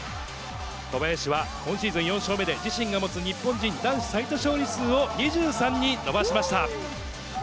小林は今シーズン４勝目で、自身が持つ日本人男子最多勝利数を２３に伸ばしました。